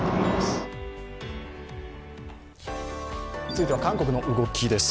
続いては韓国の動きです。